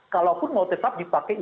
kalaupun mau tetap dipakai